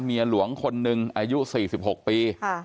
เมียหลวงคนหนึ่งอายุ๔๖ปี